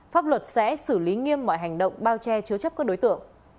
pháp luật sẽ xử lý nghiêm mọi hành động bao che chứa chấp các đối tượng